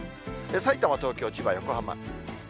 さいたま、東京、千葉、横浜。